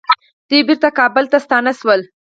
دوی بیرته کابل ته ستانه شول.